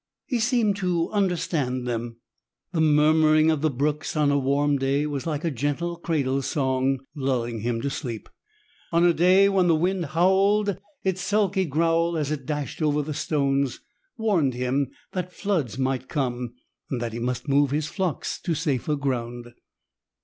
He seemed to understand them; the murmuring of the brooks on a warm day was like a gentle cradle song lulling him to sleep; on a day when the wind howled, its sulky growl as it dashed over the stones warned him that floods might come, and that he must move his flocks to safer ground.